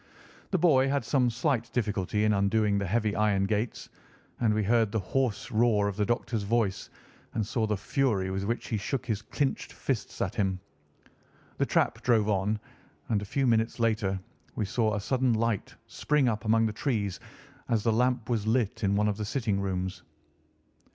The boy had some slight difficulty in undoing the heavy iron gates, and we heard the hoarse roar of the Doctor's voice and saw the fury with which he shook his clinched fists at him. The trap drove on, and a few minutes later we saw a sudden light spring up among the trees as the lamp was lit in one of the sitting rooms.